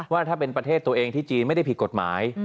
ว่าถ้าเป็นประเทศตัวเองที่จีนไม่ได้ผิดกฎหมาย